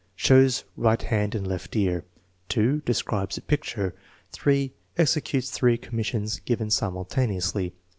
Shows right hand and left ear. 1 2. Describes a picture. 3. Executes three commissions, given simultaneously.